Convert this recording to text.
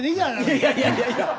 いやいやいやいや！